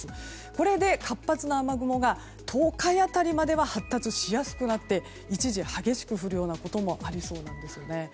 これで活発な雨雲が東海辺りまで発達しやすくなって一時、激しく降ることもありそうなんですね。